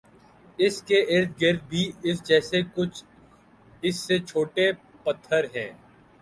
اس کے ارد گرد بھی اس جیسے کچھ اس سے چھوٹے پتھر ہیں